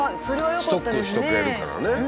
それはよかったですね。